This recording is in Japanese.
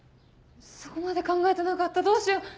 そこまで考えてなかったどうしよう。